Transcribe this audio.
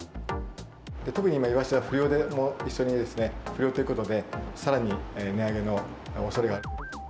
特に今、イワシが不漁で、不漁ということで、さらに値上げのおそれが。